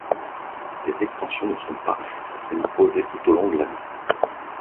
Les extensions ne sont pas forcément posées tout au long de l'année.